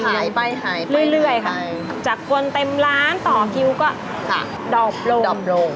หายไปเรื่อยจากกวนเต็มล้านต่อคิวก็ดอบลง